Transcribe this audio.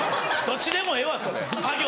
どっちでもええわそれ！